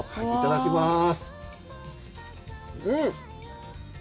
いただきます。